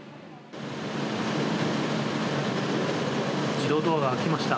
自動ドアが開きました。